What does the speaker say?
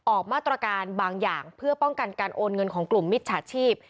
ออกมาตรการบางอย่างเพื่อป้องกันการโอนเงินของกลุ่มมิจฉาชีพ